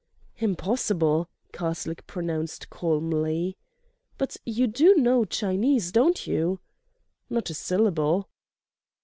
"Impossible," Karslake pronounced calmly. "But you do know Chinese, don't you?" "Not a syllable."